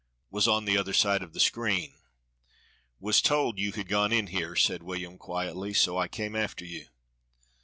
Was on the other side of the screen. "Was told you had gone in here," said William quietly, "so I came after you."